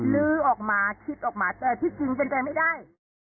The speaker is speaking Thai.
ลื้อออกมาคิดออกมาแต่ที่จริงเป็นไปไม่ได้